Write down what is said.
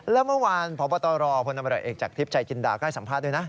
แล้วเมื่อวานพบตรพตรเอกจากทริปใจกินดาวให้สัมภาษณ์ด้วยนะ